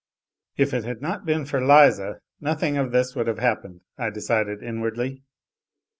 "If it had not been for Liza nothing of this would have happened," I decided inwardly.